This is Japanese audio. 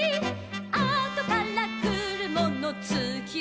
「あとからくるものつきおとせ」